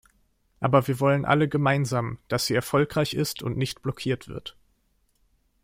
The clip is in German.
Aber wir wollen alle gemeinsam, dass sie erfolgreich ist und nicht blockiert wird.